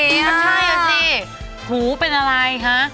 ถูกเลยสิหูเป็นอะไรฮะ